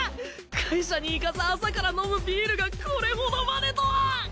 会社に行かず朝から飲むビールがこれほどまでとは！